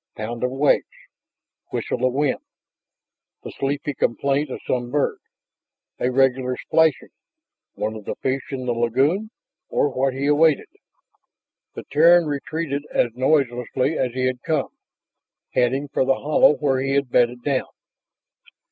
Pound of waves, whistle of wind, the sleepy complaint of some bird.... A regular splashing! One of the fish in the lagoon? Or what he awaited? The Terran retreated as noiselessly as he had come, heading for the hollow where he had bedded down.